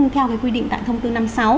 theo cái quy định tại thông tư năm sáu